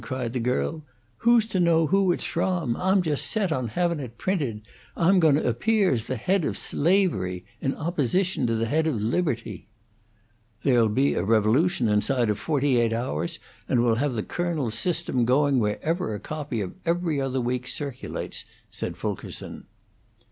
cried the girl. "Who's to know who it's from? Ah'm jost set on havin' it printed! Ah'm going to appear as the head of Slavery in opposition to the head of Liberty." "There'll be a revolution inside of forty eight hours, and we'll have the Colonel's system going wherever a copy of 'Every Other Week' circulates," said Fulkerson.